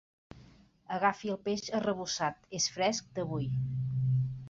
Agafi el peix arrebossat, és fresc d'avui.